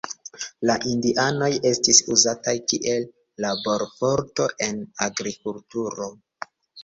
La indianoj estis uzataj kiel laborforto en agrikulturo.